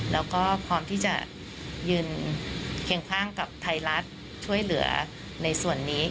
แล้วก็พร้อมที่จะยืนเคียงข้างกับไทยรัฐช่วยเหลือในส่วนนี้